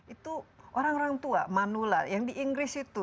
itu orang orang tua manula yang di inggris itu